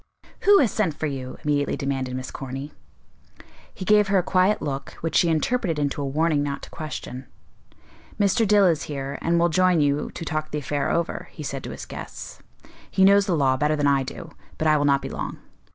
"Who has sent for you;" immediately demanded Miss Corny. He gave her a quiet look which she interpreted into a warning not to question. "Mr. Dill is here, and will join you to talk the affair over," he said to his guests. "He knows the law better than I do; but I will not be long."